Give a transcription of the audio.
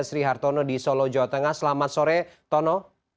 sri hartono di solo jawa tengah selamat sore tono